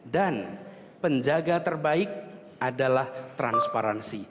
dan penjaga terbaik adalah transparansi